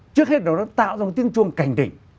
trước hết đó nó tạo ra một tiếng chuông cảnh tỉnh